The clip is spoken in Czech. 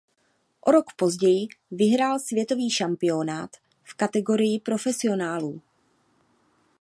O rok později vyhrál světový šampionát v kategorii profesionálů.